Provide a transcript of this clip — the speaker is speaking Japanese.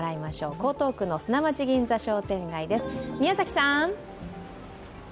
江東区の砂町銀座商店街です。